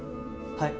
はい。